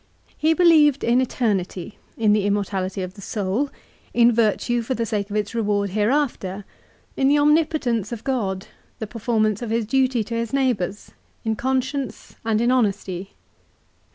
He believed in eternity, in the immortality of the soul, in virtue for the sake of its reward hereafter, in the omnipotence of God, the performance of his duty to his neighbours, in conscience and in honesty.